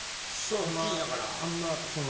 大きいんやから。